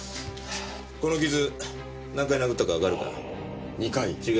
この傷何回殴ったかわかるか？